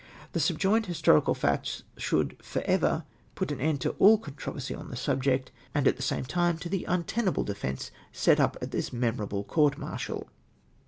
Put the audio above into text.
The subjoined historical facts should for ever ]nit an end to all controversy on the subject, and at the same time to the untenable defence set up at this memorable court martial.